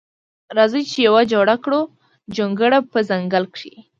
راځه چې یوه جوړه کړو جونګړه په ځنګل کښې